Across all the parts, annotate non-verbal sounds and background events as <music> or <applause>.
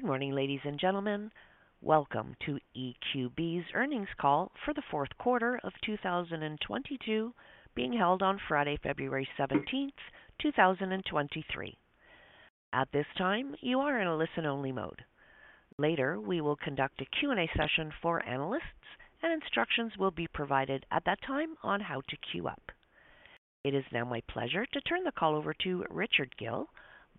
Good morning, ladies and gentlemen. Welcome to EQB Inc.'s earnings call for the fourth quarter of 2022, being held on Friday, February 17, 2023. At this time, you are in listen-only mode. later, we will conduct a Q&A session for analysts, and instructions will be provided at that time on how to queue up. It is now my pleasure to turn the call over to Richard Gill,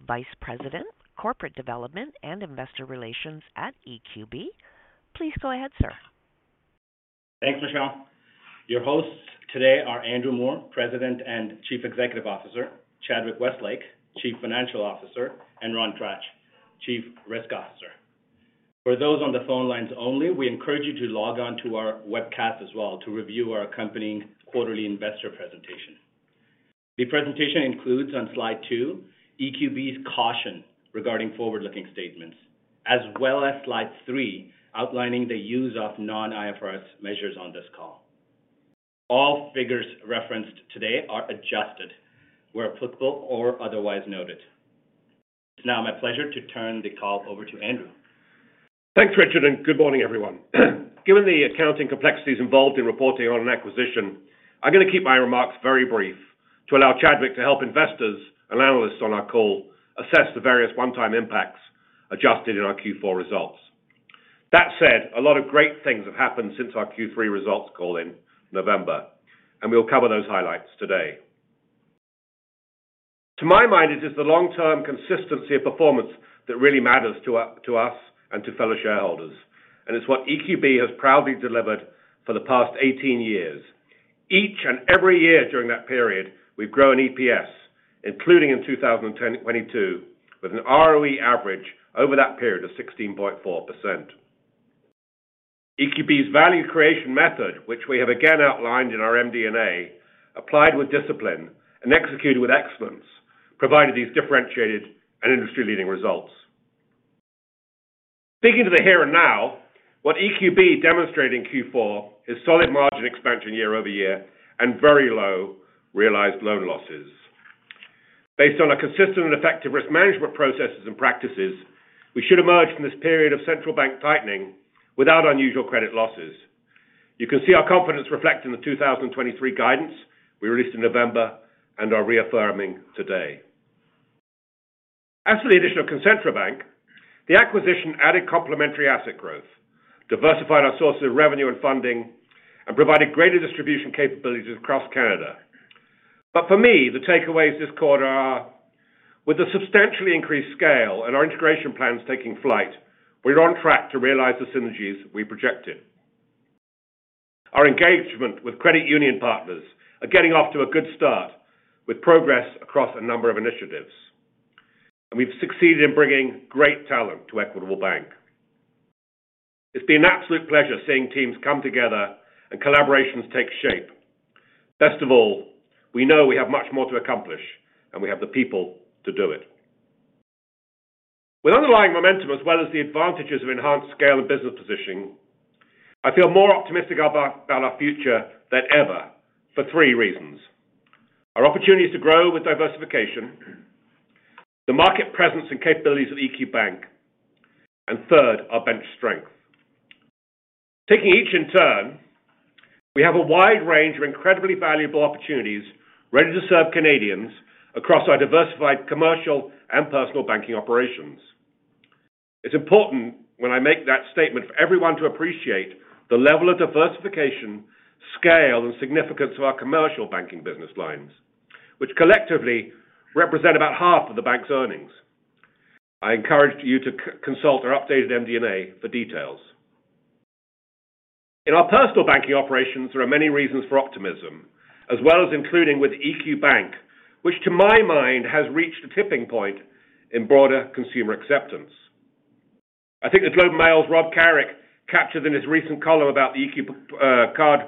Vice President, Corporate Development and Investor Relations EQB Inc. please go ahead, sir. Thanks, Michelle. Your hosts today are Andrew Moor, President and Chief Executive Officer, Chadwick Westlake, Chief Financial Officer, and Ron Trac, Chief Risk Officer. For those on the phone lines only, we encourage you to log on to our webcast as well to review our accompanying quarterly investor presentation. The presentation includes on slide two, EQB's caution regarding forward-looking statements, as well as slide three, outlining the use of non-IFRS measures on this call. All figures referenced today are adjusted where applicable or otherwise noted. It's now my pleasure to turn the call over to Andrew. Thanks, Richard, and good morning, everyone. Given the accounting complexities involved in reporting on an acquisition, I'm going to keep my remarks very brief to allow Chadwick to help investors and analysts on our call assess the various one-time impacts adjusted in our Q4 results. That said, a lot of great things have happened since our Q3 results call in November, and we'll cover those highlights today. To my mind, it is the long-term consistency of performance that really matters to us and to fellow shareholders, and it's what EQB has proudly delivered for the past 18 years. Each and every year during that period, we've grown EPS, including in 2022, with an ROE average over that period of 16.4%. EQB's value creation method, which we have again outlined in our MD&A, applied with discipline and executed with excellence, provided these differentiated and industry-leading results. Speaking to the here and now, what EQB demonstrated in Q4 is solid margin expansion year-over-year and very low realized loan losses. Based on our consistent and effective risk management processes and practices, we should emerge from this period of central bank tightening without unusual credit losses. You can see our confidence reflected in the 2023 guidance we released in November and are reaffirming today. As for the addition of Concentra Bank, the acquisition added complementary asset growth, diversified our sources of revenue and funding, and provided greater distribution capabilities across Canada. For me, the takeaways this quarter are, with the substantially increased scale and our integration plans taking flight, we're on track to realize the synergies we projected. Our engagement with credit union partners is getting off to a good start with progress across a number of initiatives. We've succeeded in bringing great talent to Equitable Bank. It's been an absolute pleasure seeing teams come together and collaborations take shape. Most importantly, we know we have much more to accomplish, and we have the people to do it. With underlying momentum as well as the advantages of enhanced scale and business positioning, I feel more optimistic about our future than ever for three reasons: our opportunities to grow with diversification, the market presence and capabilities of EQ Bank, and third, our bench strength. Taking each in turn, we have a wide range of incredibly valuable opportunities ready to serve Canadians across our diversified commercial and personal banking operations. It's important when I make that statement for everyone to appreciate the level of diversification, scale, and significance of our commercial banking business lines, which collectively represent about half of the bank's earnings. I encourage you to consult our updated MD&A for details. In our personal banking operations, there are many reasons for optimism, as well as including with EQ Bank, which to my mind has reached a tipping point in broader consumer acceptance. I think The Globe and Mail's Rob Carrick captured in his recent column about the EQB card,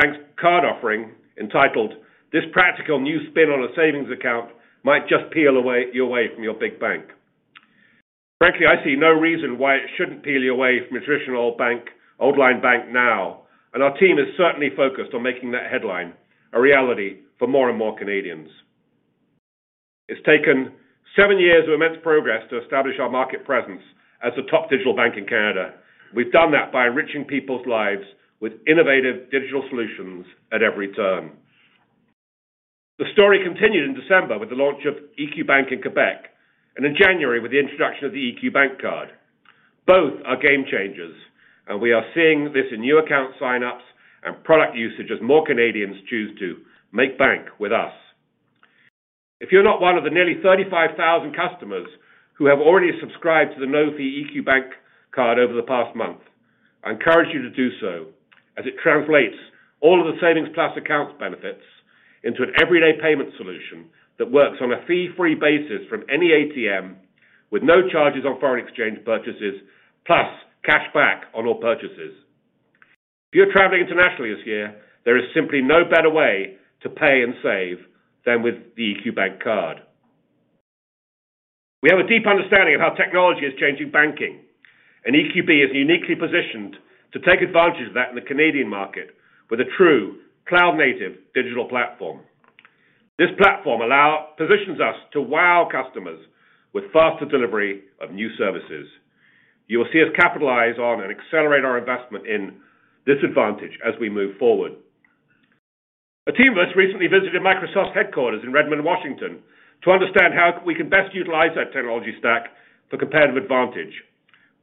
bank's card offering entitled, "This practical new spin on a savings account might just peel you away from your big bank." Frankly, I see no reason why it shouldn't peel you away from a traditional bank, old line bank now, and our team is certainly focused on making that headline a reality for more and more Canadians. It's taken seven years of immense progress to establish our market presence as a top digital bank in Canada. We've done that by enriching people's lives with innovative digital solutions at every turn. The story continued in December with the launch of EQ Bank in Quebec, and in January with the introduction of the EQ Bank Card. Both are game changers, and we are seeing this in new account sign-ups and product usage as more Canadians choose to make bank with us. If you're not one of the nearly 35,000 customers who have already subscribed to the no-fee EQ Bank Card over the past month, I encourage you to do so as it translates all of the Savings Plus Account benefits into an everyday payment solution that works on a fee-free basis from any ATM with no charges on foreign exchange purchases, plus cashback on all purchases. If you're traveling internationally this year, there is simply no better way to pay and save than with the EQ Bank Card. We have a deep understanding of how technology is changing banking, and EQB is uniquely positioned to take advantage of that in the Canadian market with a true cloud-native digital platform. This platform positions us to wow customers with faster delivery of new services. You will see us capitalize on and accelerate our investment in this advantage as we move forward. A team of us recently visited Microsoft headquarters in Redmond, Washington, to understand how we can best utilize their technology stack for competitive advantage.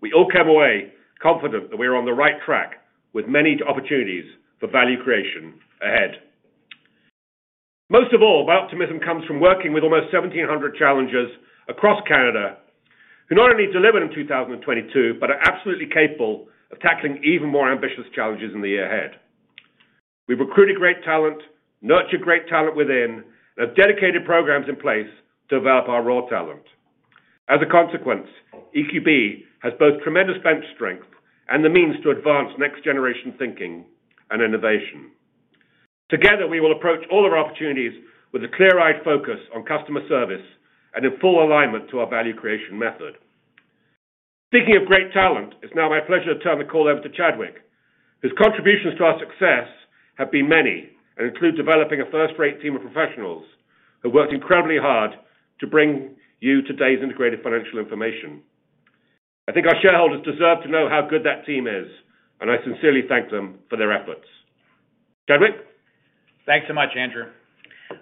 We all came away confident that we are on the right track with many opportunities for value creation ahead. Most of all, my optimism comes from working with almost 1,700 challengers across Canada, who not only delivered in 2022, but are absolutely capable of tackling even more ambitious challenges in the year ahead. We've recruited great talent, nurtured great talent within, have dedicated programs in place to develop our raw talent. As a consequence, EQB has both tremendous bench strength and the means to advance next generation thinking and innovation. Together, we will approach all of our opportunities with a clear-eyed focus on customer service and in full alignment to our value creation method. Speaking of great talent, it's now my pleasure to turn the call over to Chadwick, whose contributions to our success have been many, and include developing a first-rate team of professionals who worked incredibly hard to bring you today's integrated financial information. I think our shareholders deserve to know how good that team is, and I sincerely thank them for their efforts. Chadwick. Thanks much, Andrew.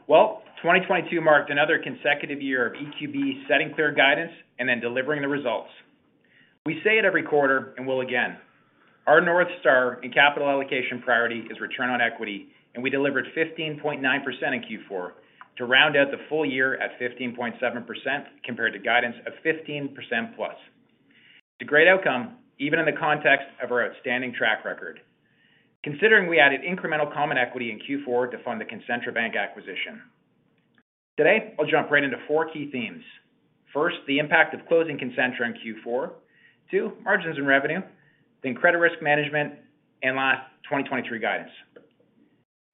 Well, 2022 marked another consecutive year of EQB setting clear guidance delivering the results. We say it every quarter and will again, our North Star in capital allocation priority is return on equity, we delivered 15.9% in Q4 to round out the full year at 15.7% compared to guidance of 15%+. It's a great outcome, even in the context of our outstanding track record. Considering we added incremental common equity in Q4 to fund the Concentra Bank acquisition. Today, I'll jump right into four key themes. First, the impact of closing Concentra in Q4, 2, margins and revenue, credit risk management, last, 2023 guidance.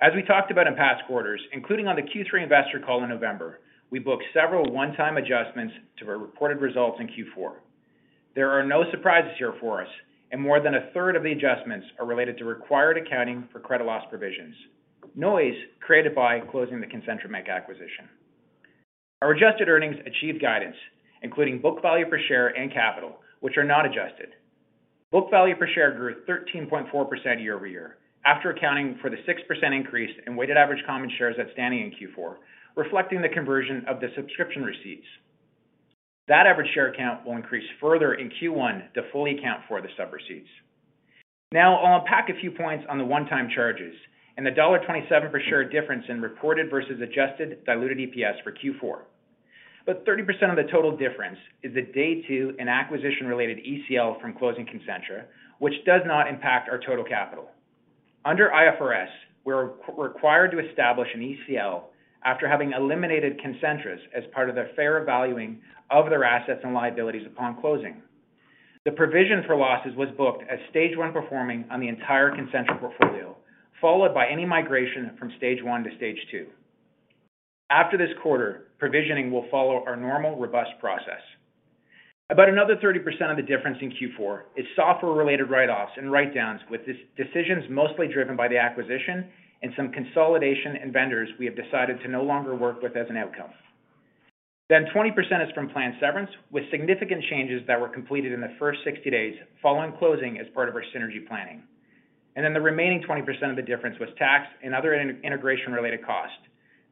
As we talked about in past quarters, including on the Q3 investor call in November, we booked several one-time adjustments to our reported results in Q4. There are no surprises here for us, and more than a third of the adjustments are related to required accounting for credit loss provisions, noise created by closing the Concentra Bank acquisition. Our adjusted earnings achieved guidance, including book value per share and capital, which are not adjusted. Book value per share grew 13.4% year-over-year, after accounting for the 6% increase in weighted average common shares outstanding in Q4, reflecting the conversion of the subscription receipts. That average share count will increase further in Q1 to fully account for the sub receipts. I'll unpack a few points on the one-time charges and the CAD 1.27 per share difference in reported versus adjusted diluted EPS for Q4. 30% of the total difference is the Day 2 and acquisition-related ECL from closing Concentra, which does not impact our total capital. Under IFRS, we are required to establish an ECL after having eliminated Concentra's as part of their fair valuing of their assets and liabilities upon closing. The provision for losses was booked as stage one performing on the entire Concentra portfolio, followed by any migration from stage one to stage two. After this quarter, provisioning will follow our normal, robust process. About another 30% of the difference in Q4 is software-related write-offs and write-downs, with this decisions are mostly driven by the acquisition and some consolidation in vendors we have decided to no longer work with as an outcome. 20% is from planned severance, with significant changes that were completed in the first 60 days following closing as part of our synergy planning. The remaining 20% of the difference was tax and other in integration-related costs.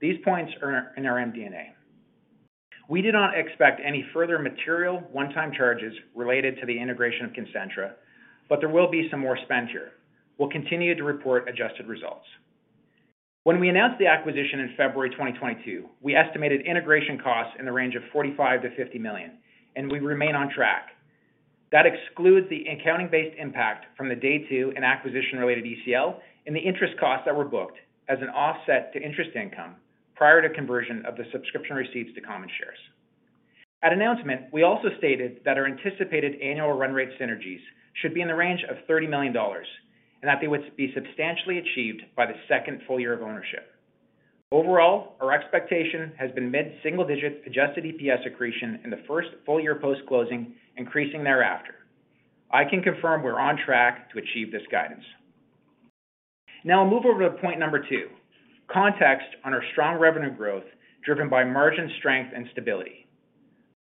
These points are in our MD&A. We do not expect any further material one-time charges related to the integration of Concentra, but there will be some more spend here. We will continue to report adjusted results. When we announced the acquisition in February 2022, we estimated integration costs in the range 45 million to 50 million, and we remain on track. That excludes the accounting-based impact from the Day 2 and acquisition-related ECL and the interest costs that were booked as an offset to interest income prior to conversion of the subscription receipts to common shares. At announcement, we also stated that our anticipated annual run rate synergies should be in the range of 30 million dollars, and that they would be substantially achieved by the second full year of ownership. Overall, our expectation has been mid-single digit adjusted EPS accretion in the first full year post-closing, increasing thereafter. I can confirm we're on track to achieve this guidance. Now I'll move over to point number 2, context on our strong revenue growth driven by margin strength and stability.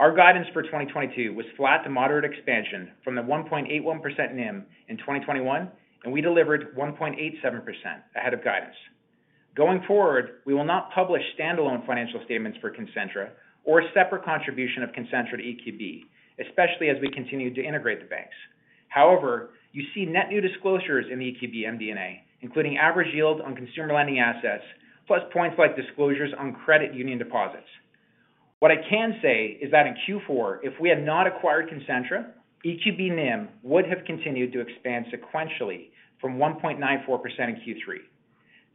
Our guidance for 2022 was flat to moderate expansion from the 1.81% NIM in 2021, and we delivered 1.87% ahead of guidance. Going forward, we will not publish standalone financial statements for Concentra or a separate contribution of Concentra to EQB, especially as we continue to integrate the banks. However, you see net new disclosures in the EQB MD&A, including average yield on consumer lending assets, plus points like disclosures on credit union deposits. What I can say is that in Q4, if we had not acquired Concentra, EQB NIM would have continued to expand sequentially from 1.94% in Q3.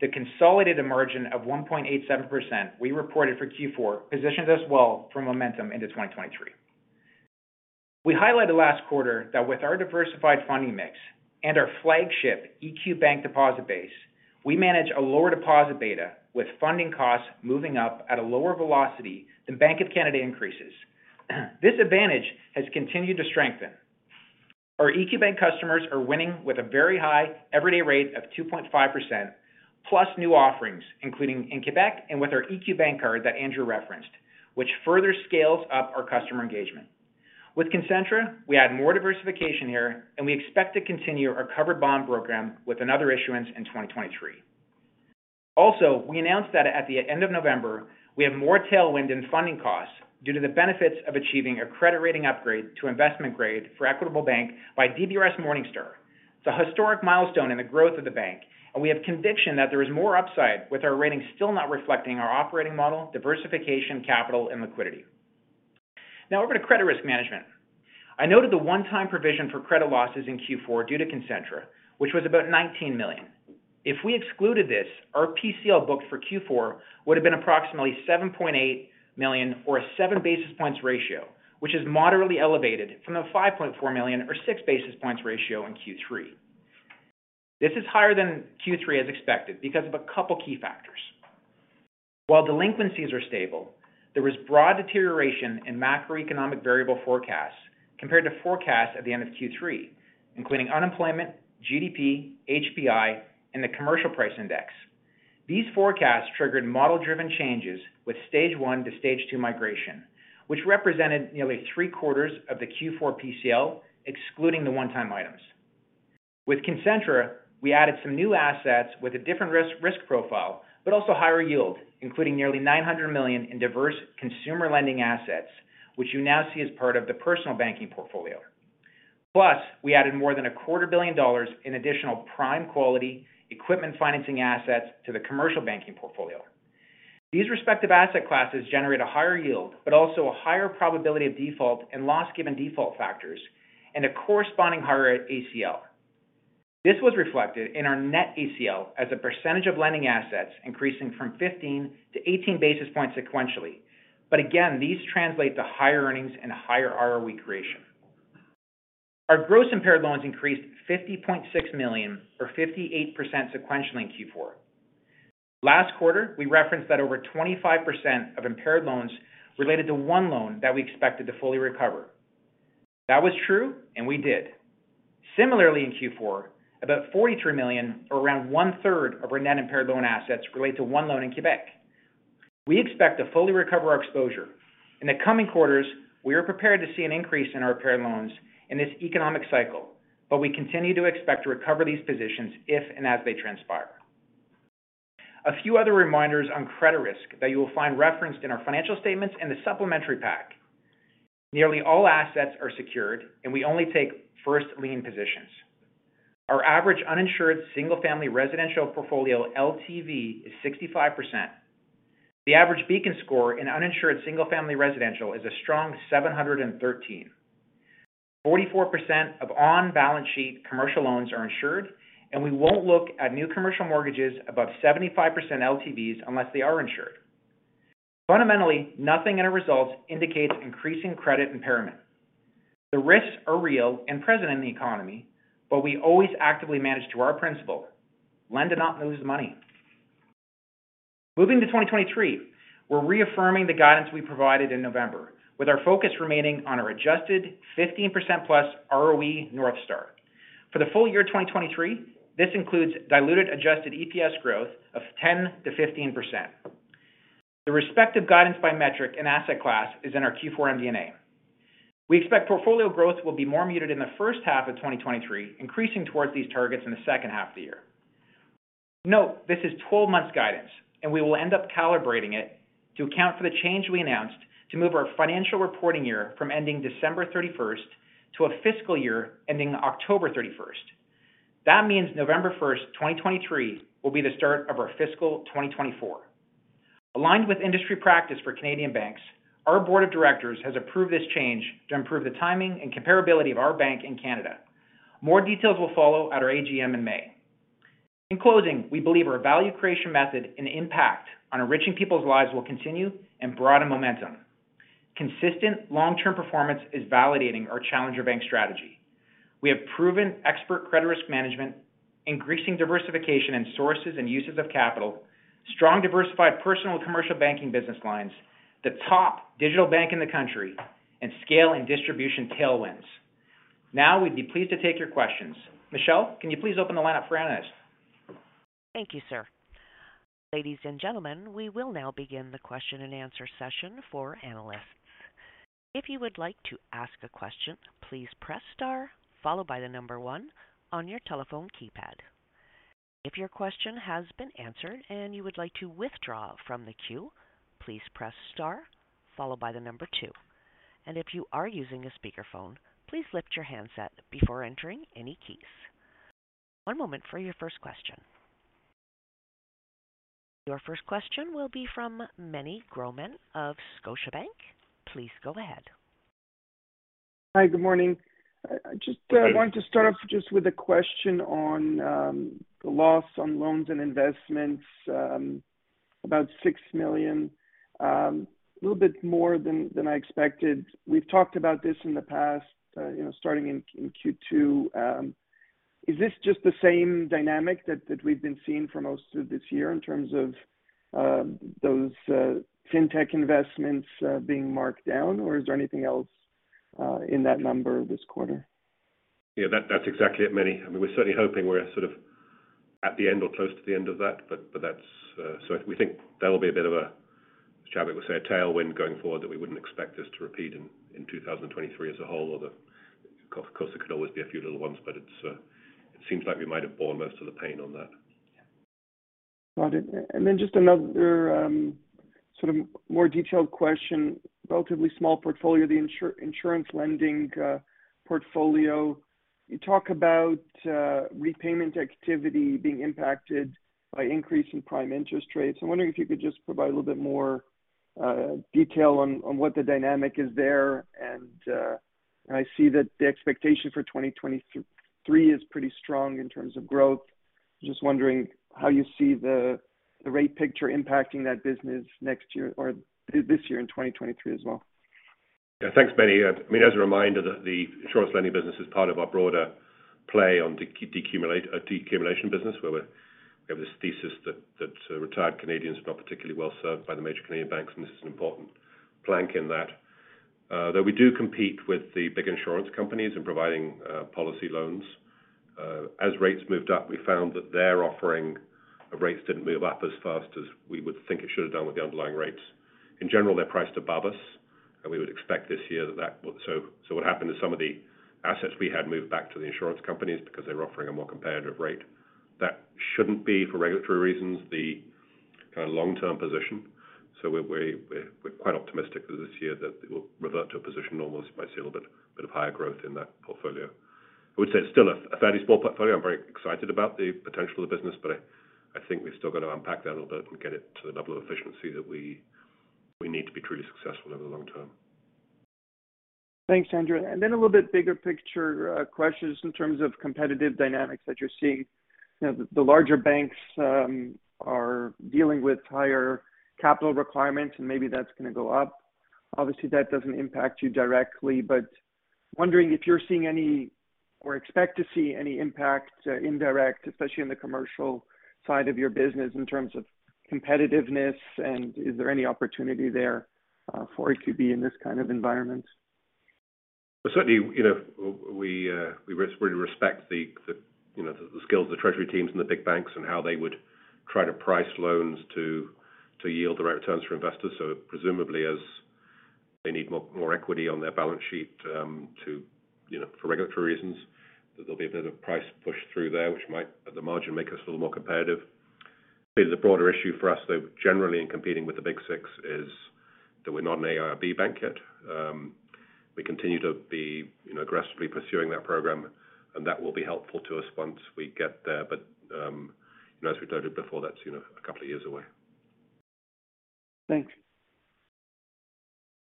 The consolidated margin of 1.87% we reported for Q4 positions us well for momentum into 2023. We highlighted last quarter that with our diversified funding mix and our flagship EQ Bank deposit base, we manage a lower deposit beta with funding costs moving up at a lower velocity than Bank of Canada increases. This advantage has continued to strengthen. Our EQ Bank customers are winning with a very high everyday rate of 2.5% plus new offerings, including in Quebec and with our EQ Bank Card that Andrew referenced, which further scales up our customer engagement. With Concentra, we add more diversification here, and we expect to continue our covered bond program with another issuance in 2023. We announced that at the end of November, we have more tailwind in funding costs due to the benefits of achieving a credit rating upgrade to investment grade for Equitable Bank by DBRS Morningstar. It's a historic milestone in the growth of the bank, and we have conviction that there is more upside with our rating still not reflecting our operating model, diversification, capital, and liquidity. Over to credit risk management. I noted the one-time provision for credit losses in Q4 due to Concentra, which was about 19 million. If we excluded this, our PCL book for Q4 would have been approximately 7.8 million or a 7 basis points ratio, which is moderately elevated from the 5.4 million or 6 basis points ratio in Q3. This is higher than Q3 as expected because of a couple key factors. While delinquencies are stable, there was broad deterioration in macroeconomic variable forecasts compared to forecasts at the end of Q3, including unemployment, GDP, HPI, and the commercial price index. These forecasts triggered model-driven changes with Stage One to Stage Two migration, which represented nearly three-quarters of the Q4 PCL, excluding the one-time items. With Concentra, we added some new assets with a different risk profile, but also higher yield, including nearly 900 million in diverse consumer lending assets, which you now see as part of the personal banking portfolio. We added more than a quarter billion dollars in additional prime quality equipment financing assets to the commercial banking portfolio. These respective asset classes generate a higher yield but also a higher probability of default and loss-given default factors and a corresponding higher ACL. This was reflected in our net ACL as a percentage of lending assets increasing from 15 to 18 basis points sequentially. Again, these translate to higher earnings and higher ROE creation. Our gross impaired loans increased 50.6 million, or 58% sequentially in Q4. Last quarter, we referenced that over 25% of impaired loans related to one loan that we expected to fully recover. That was true, and we did. Similarly, in Q4, about 43 million, or around one-third of our net impaired loan assets relate to one loan in Quebec. We expect to fully recover our exposure. In the coming quarters, we are prepared to see an increase in our impaired loans in this economic cycle, we continue to expect to recover these positions if and as they transpire. A few other reminders on credit risk that you will find referenced in our financial statements in the supplementary pack. Nearly all assets are secured and we only take first lien positions. Our average uninsured single-family residential portfolio LTV is 65%. The average Beacon score in uninsured single-family residential is a strong 713. 44% of on-balance sheet commercial loans are insured. We won't look at new commercial mortgages above 75% LTVs unless they are insured. Fundamentally, nothing in our results indicates increasing credit impairment. The risks are real and present in the economy, but we always actively manage to our principle, lend and not lose money. Moving to 2023, we're reaffirming the guidance we provided in November, with our focus remaining on our adjusted 15%+ ROE North Star. For the full year 2023, this includes diluted adjusted EPS growth of 10%-15%. The respective guidance by metric and asset class is in our Q4 MD&A. We expect portfolio growth will be more muted in the first half of 2023, increasing towards these targets in the second half of the year. Note this is 12 months guidance and we will end up calibrating it to account for the change we announced to move our financial reporting year from ending December 31st to a fiscal year ending October 31st. That means November 1st, 2023 will be the start of our fiscal 2024. Aligned with industry practice for Canadian banks, our board of directors has approved this change to improve the timing and comparability of our bank in Canada. More details will follow at our AGM in May. In closing, we believe our value creation method and impact on enriching people's lives will continue and broaden momentum. Consistent long-term performance is validating our challenger bank strategy. We have proven expert credit risk management, increasing diversification in sources and uses of capital, strong diversified personal commercial banking business lines, the top digital bank in the country, and scale and distribution tailwinds. We'd be pleased to take your questions. Michelle, can you please open the line up for analysts? Your first question will be from Meny Grauman of Scotiabank. Please go ahead. Good morning. I want to start with a question on the loss on loans and investments, about 6 million, a little bit more than I expected. We've talked about this in the past, you know, starting in Q2. Is this just the same dynamic that we've been seeing for most of this year in terms of those fintech investments being marked down? Or is there anything else in that number this quarter? That's exactly it, Meny. We are certainly hoping we're sort of at the end or close to the end of that, but that's. We think that'll be a bit of a, as Chabot would say, a tailwind going forward that we wouldn't expect this to repeat in 2023 as a whole. Although of course, there could always be a few little ones, but it's, it seems like we might have borne most of the pain on that. Got it. Just another, sort of more detailed question. Relatively small portfolio, the insurance lending portfolio. You talk about repayment activity being impacted by increase in prime interest rates. I'm wondering if you could just provide a little bit more detail on what the dynamic is there. I see that the expectation for 2023 is pretty strong in terms of growth. Just wondering how you see the rate picture impacting that business next year or this year in 2023 as well. Thanks, Meny. As a reminder that the insurance lending business is part of our broader play on a decumulation business, where we have this thesis that retired Canadians are not particularly well-served by the major Canadian banks. This is an important plank in that. Though we do compete with the big insurance companies in providing policy loans. As rates moved up, we found that their offering of rates didn't move up as fast as we would think it should have done with the underlying rates. In general, they're priced above us, and we would expect this year that would... What happened to some of the assets we had moved back to the insurance companies because they were offering a more competitive rate. That shouldn't be for regulatory reasons, the kind of long-term position. We're quite optimistic that this year that it will revert to a position normal, so you might see a little bit of higher growth in that portfolio. I would say it's still a fairly small portfolio. I'm very excited about the potential of the business, but I think we've still got to unpack that a little bit and get it to the level of efficiency that we need to be truly successful over the long term. Thanks, Andrew. A little bit bigger picture, questions in terms of competitive dynamics that you're seeing? You know, the larger banks are dealing with higher capital requirements, and maybe that is going to go up. Obviously, that doesn't impact you directly, but wondering if you're seeing any or expect to see any impact, indirect, especially on the commercial side of your business in terms of competitiveness? Is there any opportunity there for EQB in this kind of environment? Certainly. We really respect the skills of the treasury teams and the big banks and how they would try to price loans to yield the right returns for investors. Presumably as they need more equity on their balance sheet, to, you know, for regulatory reasons, there'll be a bit of price push through there, which might at the margin make us a little more competitive. I think the broader issue for us, though, generally in competing with the Big Six is that we're not an AIRB bank yet. We continue to be, aggressively pursuing that program, that will be helpful to us once we get there. As we've noted before, that's, you know, a couple of years away. Thanks.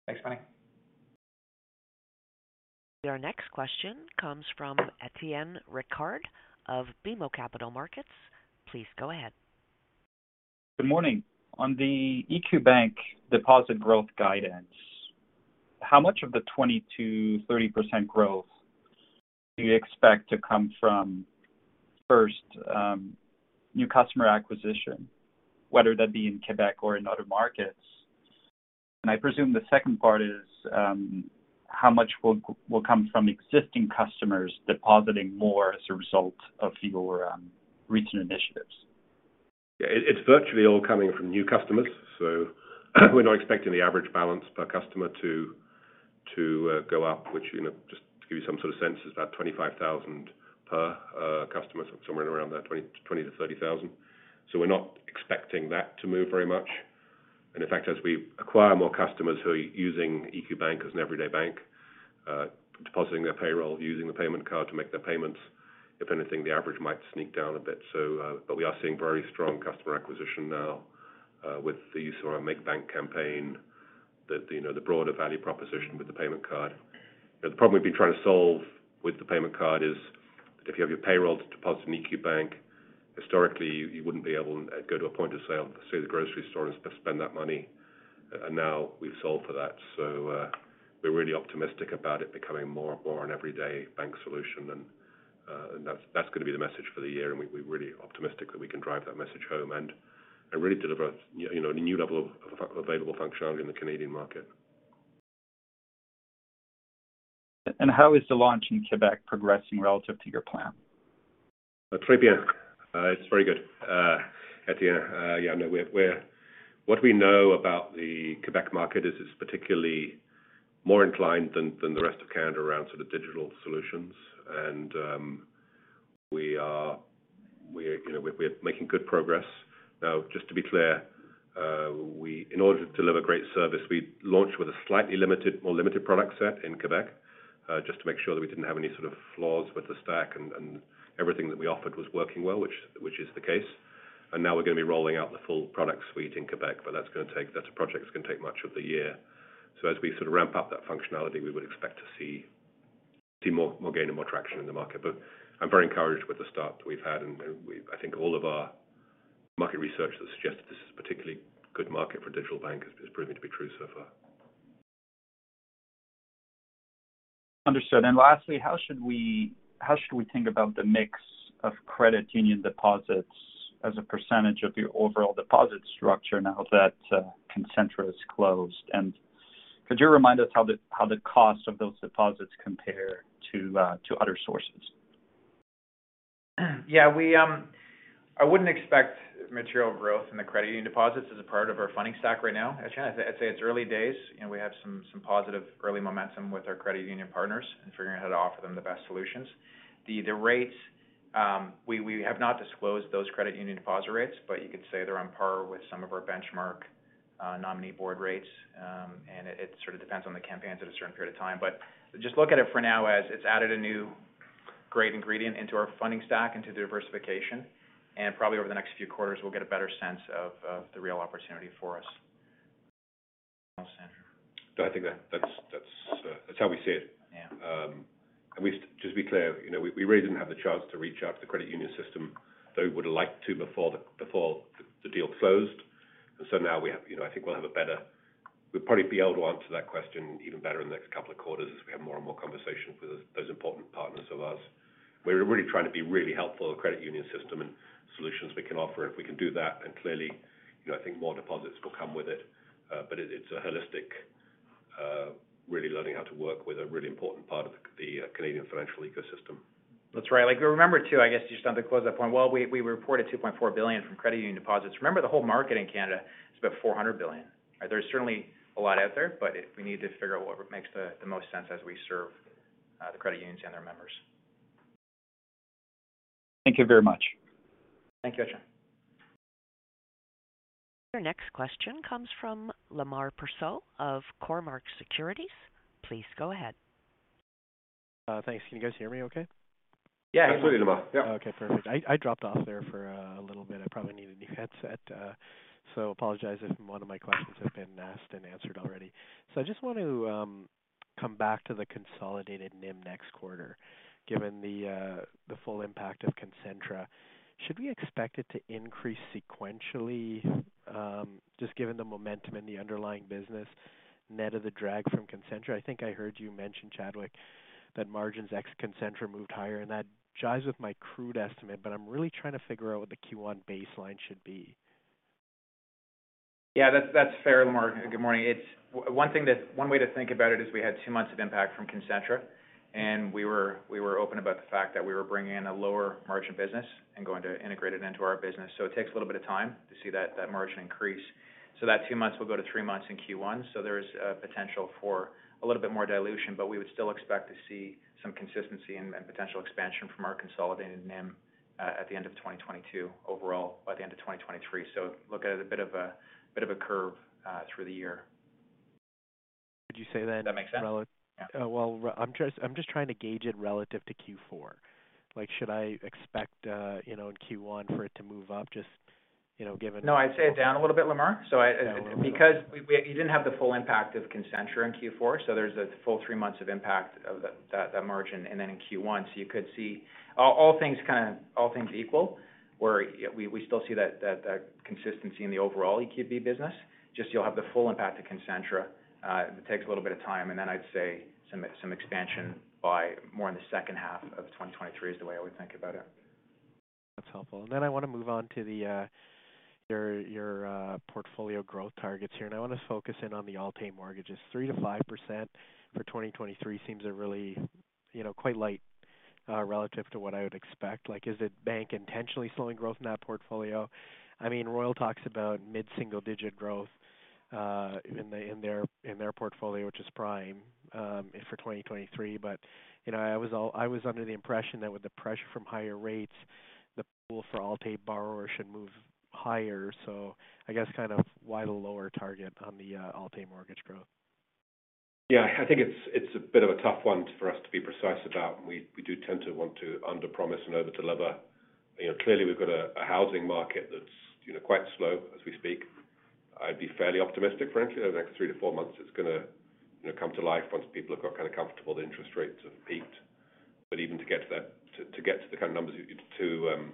Thanks, Meny. Our next question comes from Etienne Ricard of BMO Capital Markets. Please go ahead. Good morning. On the EQ Bank deposit growth guidance, how much of the 20%-30% growth do you expect to come from, first, new customer acquisition, whether that be in Quebec or in other markets? I presume the second part is, how much will come from existing customers depositing more as a result of your recent initiatives? It's virtually all coming from new customers, so we're not expecting the average balance per customer to go up, which, you know, just to give you some sort of sense, is about 25,000 per customer, so somewhere in around that 20,000 to 30,000. We're not expecting that to move very much. In fact, as we acquire more customers who are using EQ Bank as an everyday bank, depositing their payroll, using the payment card to make their payments, if anything, the average might sneak down a bit. We are seeing very strong customer acquisition now with the use of our Make Bank campaign that, you know, the broader value proposition with the payment card. The problem we've been trying to solve with the payment card is that if you have your payroll deposited in EQ Bank, historically you wouldn't be able to go to a point of sale, say, the grocery store, and spend that money. Now we've solved for that. We're really optimistic about it becoming more and more an everyday bank solution. that is going to be the message for the year, and we're really optimistic that we can drive that message home and really deliver, you know, a new level of available functionality in the Canadian market. How is the launch in Quebec progressing relative to your plan? Très bien. It's very good, Etienne. Yeah, no, What we know about the Quebec market is it's particularly more inclined than the rest of Canada around sort of digital solutions. we're, you know, we're making good progress. Now, just to be clear, in order to deliver great service, we launched with a slightly limited, more limited product set in Quebec, just to make sure that we didn't have any sort of flaws with the stack and everything that we offered was working well, which is the case. Now we are going to roll out the full product suite in Quebec, but that's a project that's gonna take much of the year. As we sort of ramp up that functionality, we would expect to see more gain and more traction in the market. I'm very encouraged with the start we've had, and I think all of our market research that suggests this is a particularly good market for digital bank has proven to be true so far. Understood. Lastly, how should we think about the mix of credit union deposits as a % of your overall deposit structure now that Concentra is closed? Could you remind us how the cost of those deposits compare to other sources? We wouldn't expect material growth in the credit union deposits as a part of our funding stack right now. Actually, I'd say it's early days and we have some positive early momentum with our credit union partners and figuring out how to offer them the best solutions. The rates, we have not disclosed those credit union deposit rates, but you could say they're on par with some of our benchmark nominee board rates. It sort of depends on the campaigns at a certain period of time. But just look at it for now as it's added a new great ingredient into our funding stack into the diversification. Probably over the next few quarters, we'll get a better sense of the real opportunity for us. That is how we see it. Yeah. We just to be clear, you know, we really didn't have the chance to reach out to the credit union system, though we would've liked to before the deal closed. Now we have, you know, I think we'll have a better. We'll probably be able to answer that question even better in the next couple of quarters as we have more and more conversations with those important partners of ours. We're really trying to be really helpful to credit union system and solutions we can offer if we can do that. Clearly, you know, I think more deposits will come with it. But it's a holistic, really learning how to work with a really important part of the Canadian financial ecosystem. That's right. Like, remember too, I guess just on the close up point, while we reported 2.4 billion from credit union deposits, remember the whole market in Canada is about 400 billion. We need to figure out what makes the most sense as we serve the credit unions and their members. Thank you very much. Thank you, Etienne. Your next question comes from Lemar Persaud of Cormark Securities. Please go ahead. Yeah, absolutely Lamar. Yeah. Okay, perfect. I dropped off there for a little bit. I probably need a new headset. Apologize if one of my questions have been asked and answered already. I just want to come back to the consolidated NIM next quarter, given the full impact of Concentra. Should we expect it to increase sequentially, just given the momentum in the underlying business net of the drag from Concentra? I think I heard you mention, Chadwick, that margins ex-Concentra moved higher, and that jives with my crude estimate, but I'm really trying to figure out what the Q1 baseline should be. Yeah, that's fair, Lemar. Good morning. It's one way to think about it is we had 2 months of impact from Concentra, and we were open about the fact that we were bringing in a lower margin business and going to integrate it into our business. It takes a little bit of time to see that margin increase. That 2 months will go to 3 months in Q1. There's a potential for a little bit more dilution, but we would still expect to see some consistency and potential expansion from our consolidated NIM at the end of 2022 overall by the end of 2023. Look at it a bit of a curve through the year. Would you say then- Does that make sense? Well, I'm just trying to gauge it relative to Q4. Like, should I expect, you know, in Q1 for it to move up just, you know? No, I'd say it's down a little bit, Lamar. I because we didn't have the full impact of Concentra in Q4, there's a full 3 months of impact of that margin and then in Q1. You could see all things equal, where we still see that consistency in the overall EQB business. Just you'll have the full impact of Concentra. It takes a little bit of time, and then I'd say some expansion by more in the second half of 2023 is the way I would think about it. That's helpful. I want to move on to your portfolio growth targets here. I want to focus in on the Alt-A mortgages. 3%-5% for 2023 seems a really, you know, quite light relative to what I would expect. Like, is it Bank intentionally slowing growth in that portfolio? I mean, Royal talks about mid-single digit growth in their portfolio, which is prime, for 2023. You know, I was under the impression that with the pressure from higher rates, the pool for Alt-A borrowers should move higher. I guess kind of why the lower target on the Alt-A mortgage growth? I think it's a bit of a tough one for us to be precise about, and we do tend to want to underpromise and overdeliver. You know, clearly we've got a housing market that's, you know, quite slow as we speak. I'd be fairly optimistic, frankly, over the next three to four months, it's gonna, you know, come to life once people have got kind of comfortable the interest rates have peaked. Even to get to that, to get to the kind of numbers to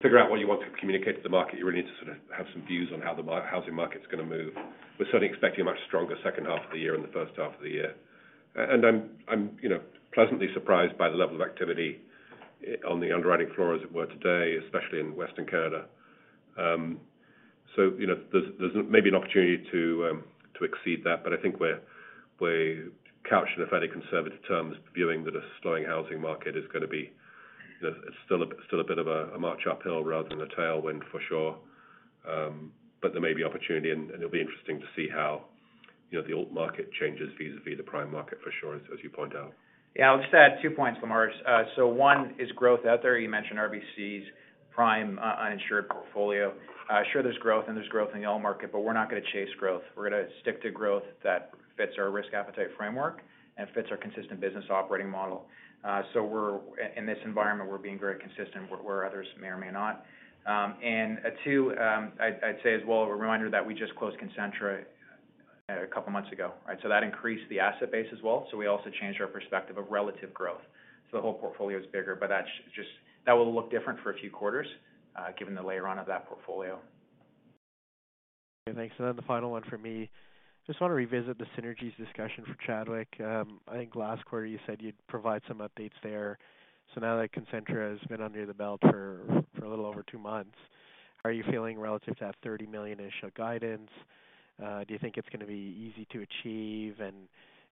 figure out what you want to communicate to the market, you really need to sort of have some views on how the housing market's gonna move. We're certainly expecting a much stronger second half of the year and the first half of the year. I'm, you know, pleasantly surprised by the level of activity on the underwriting floor, as it were today, especially in Western Canada. You know, there's maybe an opportunity to exceed that. I think we're couched in fairly conservative terms, viewing that a slowing housing market is gonna be, you know, still a bit of a march uphill rather than a tailwind for sure. There may be opportunity, and it'll be interesting to see how, you know, the old market changes vis-a-vis the prime market for sure, as you point out. I'll just add two points, Lamar. One is growth out there. You mentioned RBC's prime, uninsured portfolio. Sure, there's growth and there's growth in the Alt market, but we're not gonna chase growth. We're gonna stick to growth that fits our risk appetite framework and fits our consistent business operating model. In this environment, we're being very consistent where others may or may not. Two, I'd say as well, a reminder that we just closed Concentra a couple months ago, right? That increased the asset base as well. We also changed our perspective of relative growth. The whole portfolio is bigger, but that will look different for a few quarters, given the layer on of that portfolio. Thanks. The final one for me, just want to revisit the synergies discussion for Chadwick. I think last quarter you said you'd provide some updates there. Now that Concentra has been under the belt for a little over two months, how are you feeling relative to that 30 million initial guidance? Do you think it's going to be easy to achieve?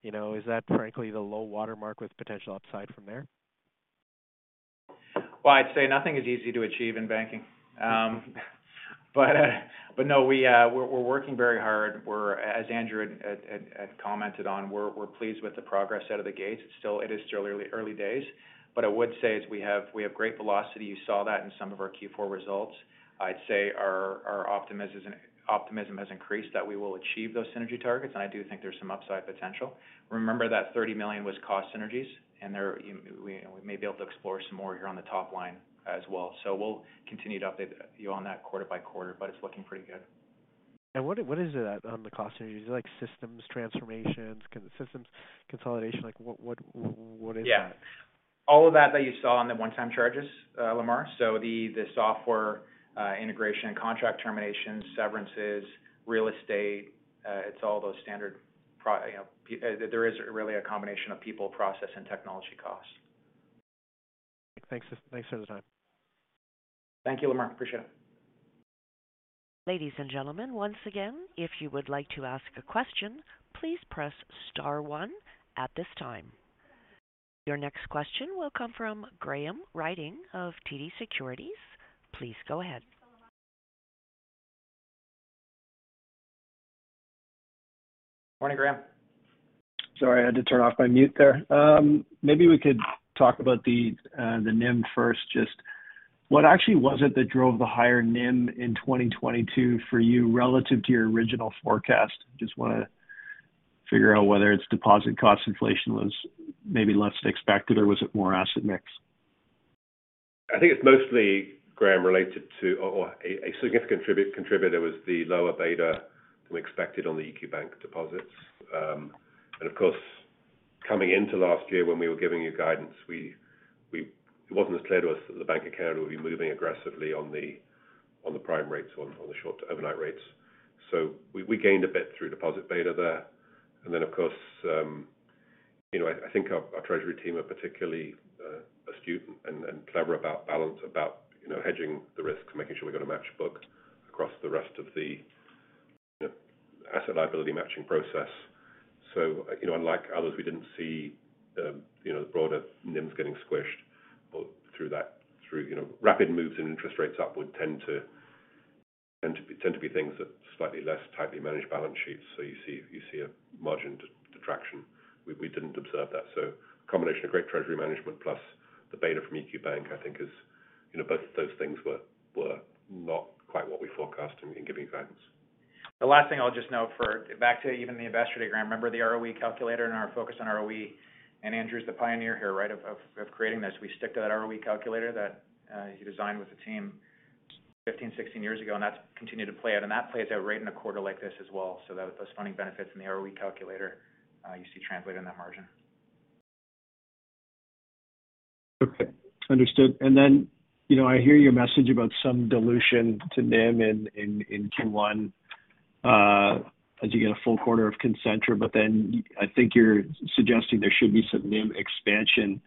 You know, is that frankly the low watermark with potential upside from there? I'd say nothing is easy to achieve in banking. But no, we're working very hard. As Andrew had commented on, we're pleased with the progress out of the gate. It is still early days. I would say is we have great velocity. You saw that in some of our Q4 results. I'd say our optimism has increased that we will achieve those synergy targets, and I do think there's some upside potential. Remember that 30 million was cost synergies, and there we may be able to explore some more here on the top line as well. We willcontinue to update you on that quarter by quarter, but it's looking pretty good. What is it on the cost synergies? Is it like systems transformations, systems consolidation? Like what is that? Yeah. All of that that you saw on the one-time charges, Lemar. The software integration and contract terminations, severances, real estate, it's all those standard, you know, there is really a combination of people, process, and technology costs. Thanks, thanks for the time. Thank you, Lamar. Appreciate it. Your next question will come from Graham Ryding of TD Securities. Please go ahead. Good Morning, Graham. Sorry, I had to turn off my mute there. Maybe we could talk about the NIM first, just what actually was it that drove the higher NIM in 2022 for you relative to your original forecast? Just wanna figure out whether it's deposit cost inflation was maybe less than expected, or was it more asset mix? I think it's mostly, Graham, related to, or a significant contributor was the lower beta than we expected on the EQ Bank deposits. Coming into last year when we were giving you guidance, it wasn't as clear to us that the Bank of Canada would be moving aggressively on the prime rates on the short overnight rates. We gained a bit through deposit beta there. You know, I think our treasury team are particularly astute and clever about balance, you know, hedging the risks, making sure we've got a match book across the rest of the asset liability matching process. You know, unlike others, we didn't see, you know, the broader NIMs getting squished through that, through, you know, rapid moves in interest rates upward tend to be things that slightly less tightly managed balance sheets. You see a margin detraction. We didn't observe that. A combination of great treasury management plus the beta from EQ Bank, I think is, you know, both of those things were not quite what we forecast in giving guidance. The last thing I'll just note for back to even the investor day, Graham. Remember the ROE calculator and our focus on ROE, and Andrew's the pioneer here, right? Of creating this. We stick to that ROE calculator that he designed with the team 15, 16 years ago, and that's continued to play out. That plays out right in a quarter like this as well. That those funding benefits in the ROE calculator, you see translated in that margin. Okay. Understood. You know, I hear your message about some dilution to NIM in Q1, as you get a full quarter of Concentra, I think you're suggesting there should be some NIM expansion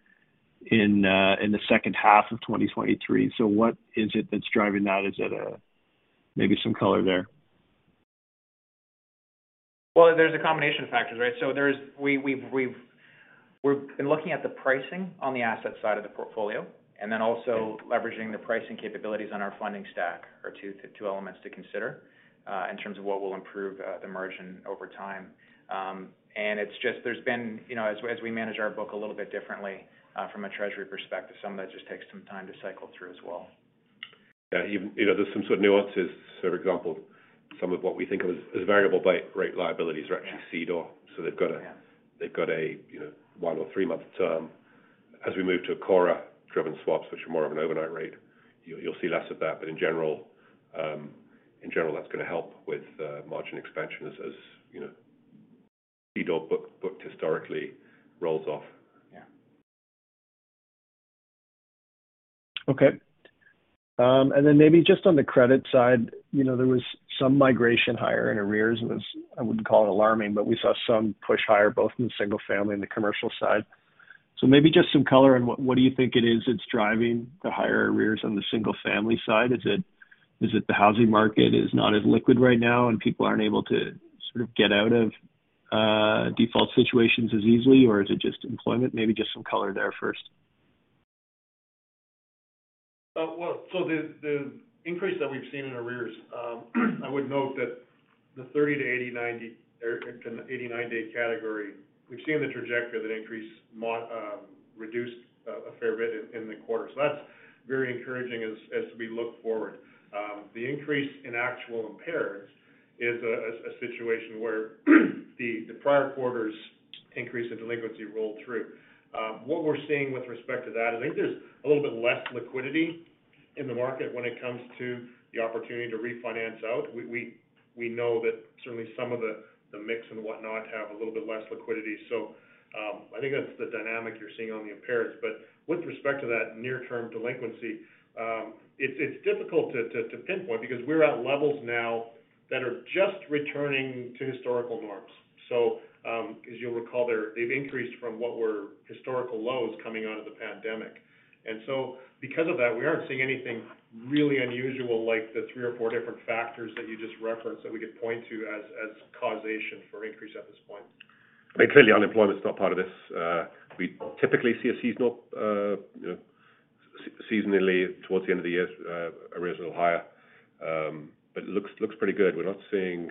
in the second half of 2023. What is it that's driving that? Is it, maybe some color there? There's a combination of factors, right? There's, we've been looking at the pricing on the asset side of the portfolio, and then also leveraging the pricing capabilities on our funding stack are two elements to consider in terms of what will improve the margin over time. It's just there's been, you know, as we manage our book a little bit differently from a treasury perspective, some of that just takes some time to cycle through as well. Yeah. You know, there's some sort of nuances. For example, some of what we think of as variable bi-rate liabilities are actually CDOR. They've got. Yeah. They've got a, you know, one or three-month term. As we move to a CORRA-driven swaps, which are more of an overnight rate, you'll see less of that. In general, that's gonna help with margin expansion as, you know, CDOR booked historically rolls off. Yeah. Okay. Then maybe just on the credit side, you know, there was some migration higher in arrears. It was, I wouldn't call it alarming, but we saw some push higher, both in the single-family and the commercial side. Maybe just some color on what do you think it is that's driving the higher arrears on the single-family side. Is it the housing market is not as liquid right now and people aren't able to sort of get out of default situations as easily, or is it just employment? Maybe just some color there first. Well, the increase that we've seen in arrears, I would note that the 30 to 80, 90, or in the 80, 90-day category, we've seen the trajectory of that increase reduced a fair bit in the quarter. That's very encouraging as we look forward. The increase in actual impairments is a situation where the prior quarters increase in delinquency roll through. What we're seeing with respect to that, I think there's a little bit less liquidity in the market when it comes to the opportunity to refinance out. We know that certainly some of the mix and whatnot have a little bit less liquidity. I think that's the dynamic you're seeing on the impairments. With respect to that near-term delinquency, it's difficult to pinpoint because we're at levels now that are just returning to historical norms. As you'll recall there, they've increased from what were historical lows coming out of the pandemic. Because of that, we aren't seeing anything really unusual like the three or four different factors that you just referenced that we could point to as causation for increase at this point. Clearly unemployment is not part of this. We typically see a seasonal, you know, seasonally towards the end of the year, arrears a little higher. It looks pretty good. We're not seeing,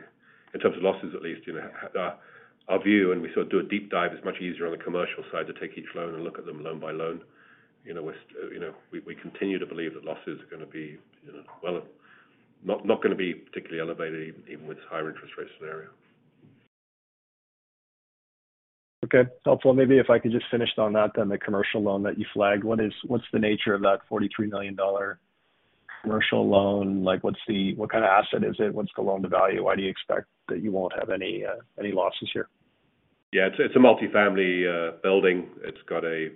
in terms of losses at least, you know, our view, and we sort of do a deep dive, it's much easier on the commercial side to take each loan and look at them loan by loan. You know, we continue to believe that losses are gonna be, you know, well, not gonna be particularly elevated even with this higher interest rate scenario. Okay. Helpful. Maybe if I could just finish on that then the commercial loan that you flagged. What's the nature of that 43 million dollar commercial loan? Like, what kind of asset is it? What's the loan to value? Why do you expect that you won't have any any losses here? Yeah, it's a multi-family building. It's got a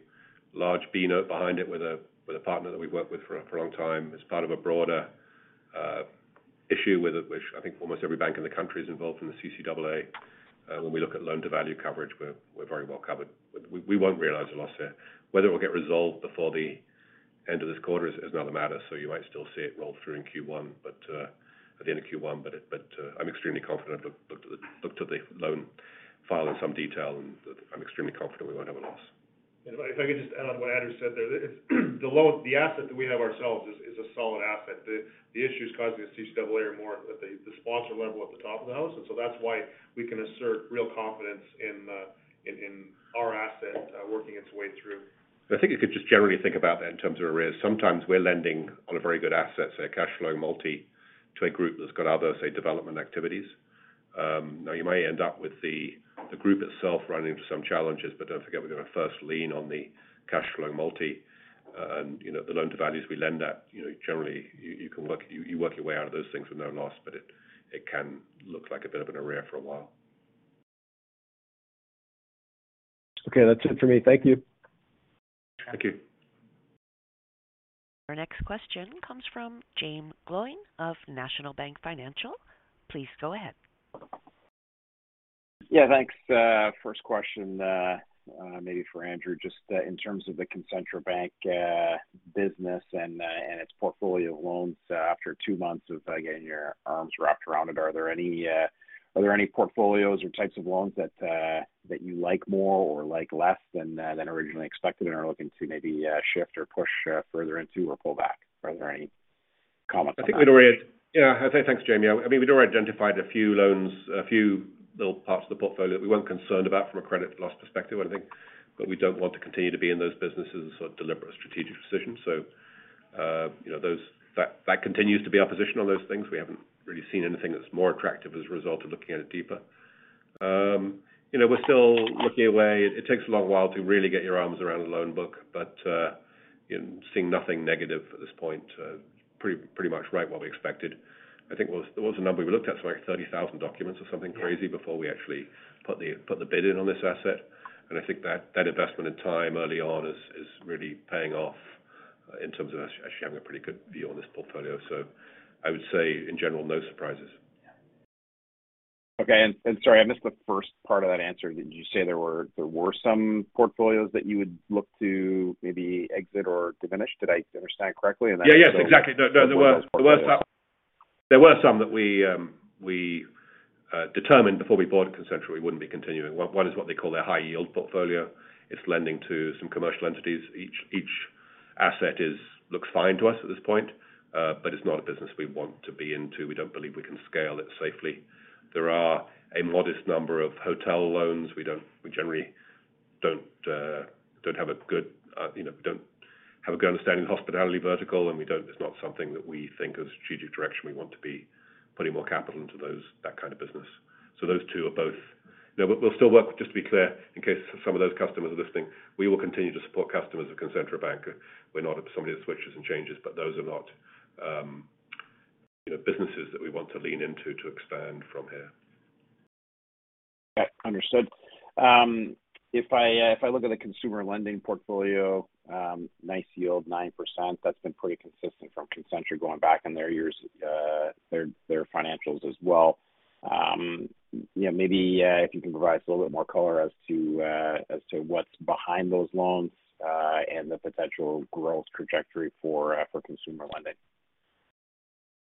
large B note behind it with a partner that we've worked with for a long time. It's part of a broader issue with it, which I think almost every bank in the country is involved in the CCAA. When we look at loan to value coverage, we're very well covered. We won't realize a loss here. Whether it will get resolved before the end of this quarter is another matter, so you might still see it roll through in Q1, but at the end of Q1. I'm extremely confident. Looked at the loan file in some detail, and I'm extremely confident we won't have a loss. If I could just add on what Andrew said there. It's the asset that we have ourselves is a solid asset. The issues causing the CCAA are more at the sponsor level at the top of the house. That's why we can assert real confidence in our asset working its way through. I think you could just generally think about that in terms of arrears. Sometimes we're lending on a very good asset, say a cash flow multi, to a group that's got other, say, development activities. Now you may end up with the group itself running into some challenges, but don't forget we've got a first lien on the cash flow multi. You know, the loan to values we lend at, you know, generally you can work your way out of those things with no loss, but it can look like a bit of an arrear for a while. Okay. That's it for me. Thank you. Thank you. Our next question comes from Jaeme Gloyn of National Bank Financial. Please go ahead. Yeah, thanks. First question, maybe for Andrew, just in terms of the Concentra Bank business and its portfolio of loans after 2 months of getting your arms wrapped around it, are there any, are there any portfolios or types of loans that you like more or like less than originally expected and are looking to maybe shift or push further into or pull back? Are there any comments on that? I say thanks, Jaime. I mean, we'd already identified a few loans, a few little parts of the portfolio that we weren't concerned about from a credit loss perspective, I think. We don't want to continue to be in those businesses. Deliberate strategic decision. You know, that continues to be our position on those things. We haven't really seen anything that's more attractive as a result of looking at it deeper. You know, we're still looking away. It takes a long while to really get your arms around a loan book, seeing nothing negative at this point, pretty much right what we expected. I think there was a number we looked at, like 30,000 documents or something crazy before we actually put the bid in on this asset. I think that investment in time early on is really paying off in terms of us actually having a pretty good view on this portfolio. I would say in general, no surprises. Okay. Sorry, I missed the first part of that answer. Did you say there were some portfolios that you would look to maybe exit or diminish? Did I understand correctly? Yes, <crosstalk> There were some that we determined before we bought Concentra we wouldn't be continuing. One is what they call their high yield portfolio. It's lending to some commercial entities. Each asset looks fine to us at this point, but it's not a business we want to be into. We don't believe we can scale it safely. There are a modest number of hotel loans. We generally don't have a good, you know, understanding of hospitality vertical. It's not something that we think as strategic direction we want to be putting more capital into those, that kind of business. Those two are both... You know, we'll still work, just to be clear, in case some of those customers are listening, we will continue to support customers of Concentra Bank. We're not somebody that switches and changes, but those are not, you know, businesses that we want to lean into to expand from here. Yeah, understood. If I look at the consumer lending portfolio, nice yield, 9%. That's been pretty consistent from Concentra going back in their years, their financials as well. You know, maybe, if you can provide us a little bit more color as to what's behind those loans, and the potential growth trajectory for consumer lending.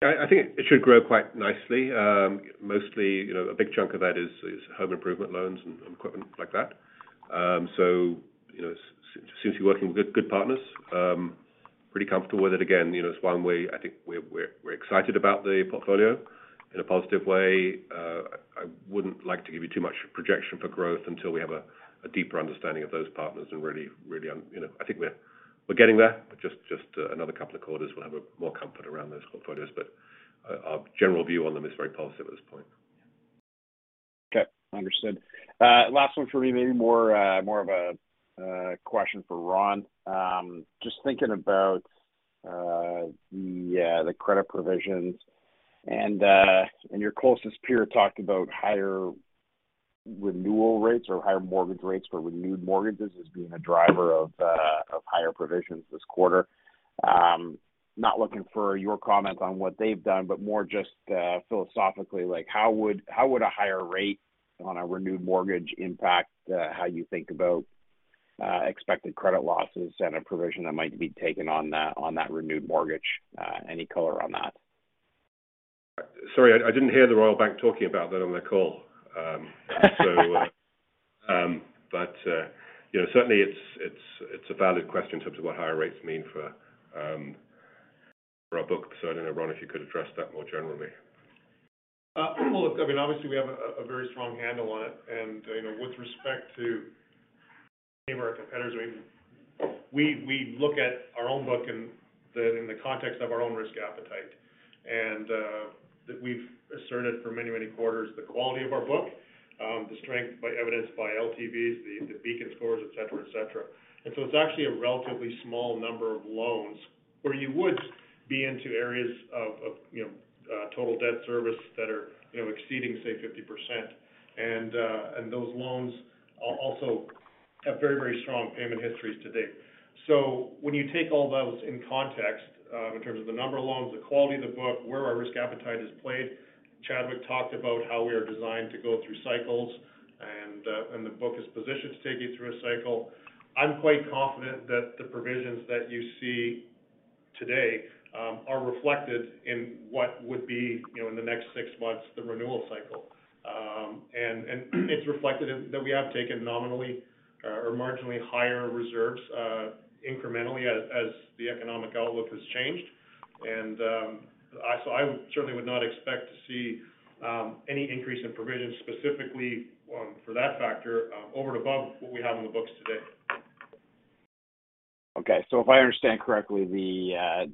I think it should grow quite nicely. Mostly, you know, a big chunk of that is home improvement loans and equipment like that. You know, it seems to be working with good partners. Pretty comfortable with it. Again, you know, it's one we I think we're excited about the portfolio in a positive way. I wouldn't like to give you too much projection for growth until we have a deeper understanding of those partners and really, you know, I think we're getting there. Just another couple of quarters, we'll have more comfort around those portfolios. Our general view on them is very positive at this point. Okay, understood. Last one for me, maybe more of a question for Ron Trac. Just thinking about the credit provisions and your closest peer talked about higher renewal rates or higher mortgage rates for renewed mortgages as being a driver of higher provisions this quarter. Not looking for your comment on what they've done, but more just philosophically, like how would a higher rate on a renewed mortgage impact how you think about expected credit losses and a provision that might be taken on that renewed mortgage? Any color on that? Sorry, I didn't hear the Royal Bank talking about that on their call. You know, certainly it's a valid question in terms of what higher rates mean for our book. I don't know, Ron, if you could address that more generally. Well, look, I mean, obviously we have a very strong handle on it. You know, with respect to any of our competitors, I mean, we look at our own book in the context of our own risk appetite. That we've asserted for many, many quarters the quality of our book, the strength by evidenced by LTVs, the Beacon scores, et cetera, et cetera. It's actually a relatively small number of loans where you would be into areas of, you know, total debt service that are, you know, exceeding, say, 50%. Those loans also have very strong payment histories to date. When you take all those in context, in terms of the number of loans, the quality of the book, where our risk appetite is played, Chadwick talked about how we are designed to go through cycles and the book is positioned to take you through a cycle. I'm quite confident that the provisions that you see today are reflected in what would be, you know, in the next six months, the renewal cycle. It's reflected in that we have taken nominally or marginally higher reserves incrementally as the economic outlook has changed. I certainly would not expect to see any increase in provisions specifically for that factor over and above what we have on the books today. If I understand correctly, the,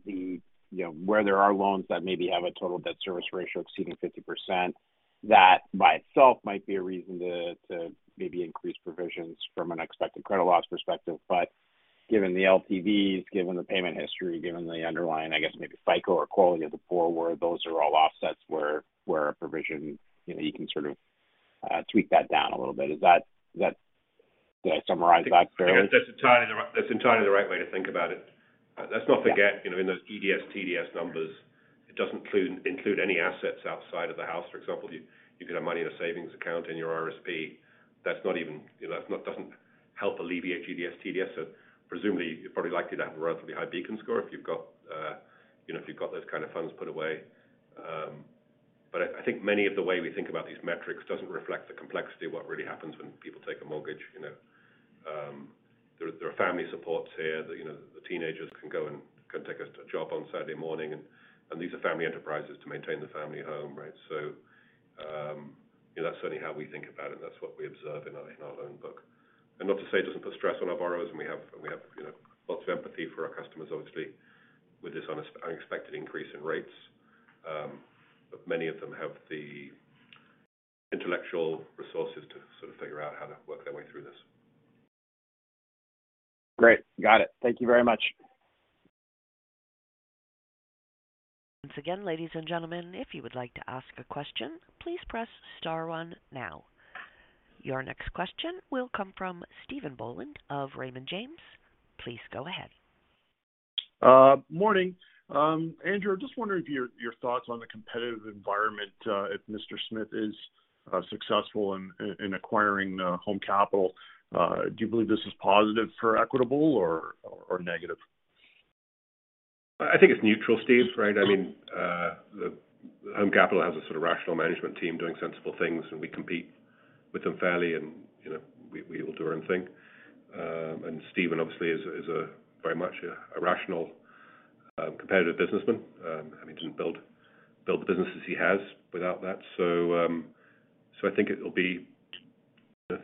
you know, where there are loans that maybe have a total debt service ratio exceeding 50%, that by itself might be a reason to maybe increase provisions from an expected credit loss perspective. Given the LTVs, given the payment history, given the underlying, I guess maybe FICO or quality of the forward, those are all offsets where a provision, you know, you can sort of tweak that down a little bit. Is that... Did I summarize that fairly? I guess that's entirely the right way to think about it. Let's not forget, you know, in those EDS, TDS numbers, it doesn't include any assets outside of the house. For example, you could have money in a savings account in your RSP. That's not even, you know, that's not, doesn't help alleviate EDS, TDS. Presumably, you're probably likely to have a relatively high Beacon Score if you've got, you know, if you've got those kind of funds put away. I think many of the way we think about these metrics doesn't reflect the complexity of what really happens when people take a mortgage, you know. There are family supports here that, you know, the teenagers can go and can take a job on Saturday morning. These are family enterprises to maintain the family home, right? You know, that's certainly how we think about it, and that's what we observe in our loan book. Not to say it doesn't put stress on our borrowers, and we have, you know, lots of empathy for our customers, obviously, with this unexpected increase in rates. Many of them have the intellectual resources to sort of figure out how to work their way through this. Great. Got it. Thank you very much. Your next question will come from Stephen Boland of Raymond James. Please go ahead. Morning. Andrew, just wondering if your thoughts on the competitive environment, if Mr. Smith is successful in acquiring Home Capital. Do you believe this is positive for Equitable or negative? I think it's neutral, Stephen, right? I mean, the Home Capital has a sort of rational management team doing sensible things, and we compete with them fairly and, you know, we all do our own thing. Stephen obviously is a very much a rational competitive businessman. I mean, he didn't build the businesses he has without that.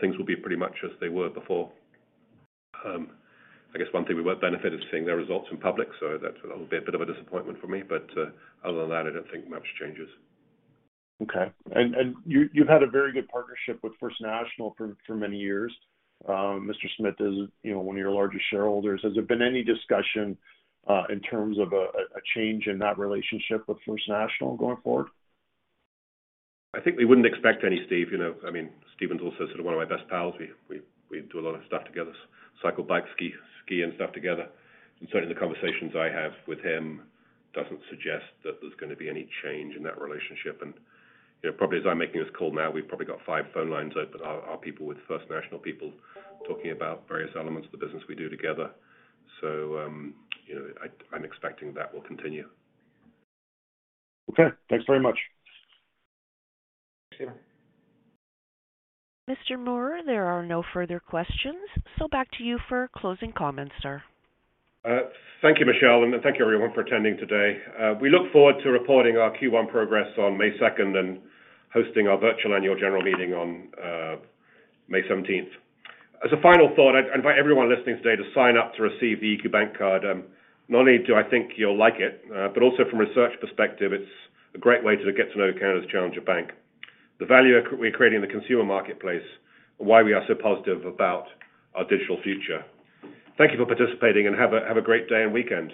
Things will be pretty much as they were before. I guess one thing we won't benefit is seeing their results in public, so that's a bit of a disappointment for me. Other than that, I don't think much changes. Okay. You, you've had a very good partnership with First National for many years. Mr. Smith is, you know, one of your largest shareholders. Has there been any discussion in terms of a change in that relationship with First National going forward? I think we wouldn't expect any, Steve. You know, I mean, Stephen's also sort of one of my best pals. We do a lot of stuff together. Cycle, bike, ski and stuff together. Certainly the conversations I have with him doesn't suggest that there's gonna be any change in that relationship. You know, probably as I'm making this call now, we've probably got 5 phone lines open, our people with First National people talking about various elements of the business we do together. You know, I'm expecting that will continue. Okay. Thanks very much. Thanks, Steve. Mr. Moor, there are no further questions, so back to you for closing comments, sir. Thank you, Michelle. Thank you, everyone, for attending today. We look forward to reporting our Q1 progress on May 2 and hosting our virtual annual general meeting on May 17. As a final thought, I'd invite everyone listening today to sign up to receive the EQ Bank Card. Not only do I think you'll like it, also from a research perspective, it's a great way to get to know Canada's Challenger Bank. The value we're creating in the consumer marketplace, why we are so positive about our digital future. Thank you for participating. Have a great day and weekend.